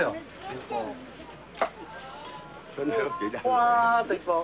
ぽわっといこう。